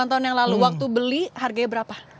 delapan tahun yang lalu waktu beli harganya berapa